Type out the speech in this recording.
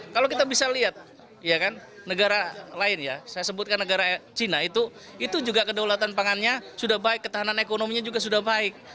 kalau kita bisa lihat negara lain ya saya sebutkan negara cina itu juga kedaulatan pangannya sudah baik ketahanan ekonominya juga sudah baik